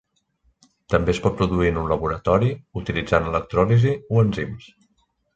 També es pot produir en un laboratori utilitzant electròlisi o enzims.